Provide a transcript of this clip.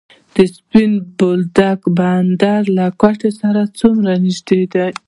سپین بولدک بندر له کویټې سره څومره نږدې دی؟